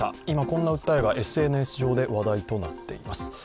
今、こんな訴えがＳＮＳ上で話題となっています。